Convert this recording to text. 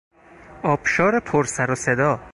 آبشار پر سر و صدا